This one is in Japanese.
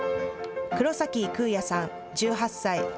黒崎空哉さん、１８歳。